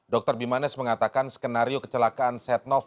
dokter bimanes mengatakan skenario kecelakaan setnoff